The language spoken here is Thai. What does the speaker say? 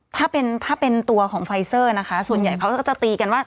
ถ้าเป็นถ้าเป็นตัวของไฟเซอร์นะคะส่วนใหญ่เขาก็จะตีกันว่า